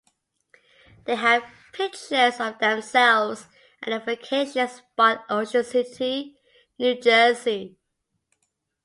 They have pictures of themselves at the vacation spot Ocean City, New Jersey.